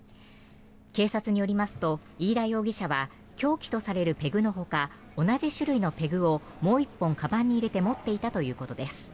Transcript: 警察によりますと飯田容疑者は凶器とされるペグのほか同じ種類のペグをもう１本、かばんに入れて持っていたということです。